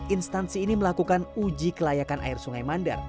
instansi ini melakukan uji kelayakan air sungai mandar